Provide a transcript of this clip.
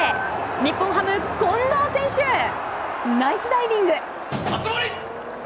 日本ハム、近藤選手ナイスダイビング！